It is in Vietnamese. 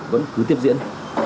vẫn cứ tiếp diễn